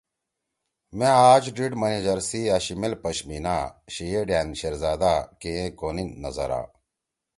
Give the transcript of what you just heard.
مأ آج ڈیِڑ منیجر سی أشیمیل پشمینا شیئےڈأن شیرزادہ کینگھے کونیِن نذرا